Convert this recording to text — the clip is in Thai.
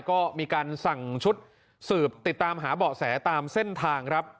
ก็มีการสั่งชุดสืบติดตามหาเบาะแสตามเส้นทางครับ